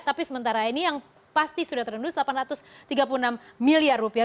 tapi sementara ini yang pasti sudah terendus delapan ratus tiga puluh enam miliar rupiah